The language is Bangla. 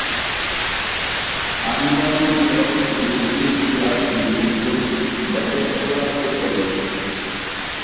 আনোয়ারুল হক লিভিং প্লাস লিমিটেডের ব্যবস্থাপনা পরিচালক।